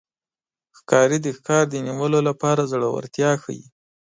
ښکاري د ښکار د نیولو لپاره زړورتیا ښيي.